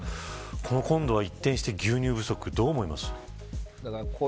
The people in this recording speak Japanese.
今度は一転して牛乳不足どう思いますか。